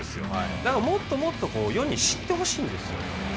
だから、もっともっと世に知ってほしいんですよ。